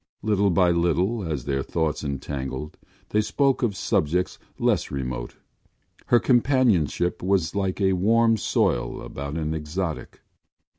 Little by little, as their thoughts entangled, they spoke of subjects less remote. Her companionship was like a warm soil about an exotic.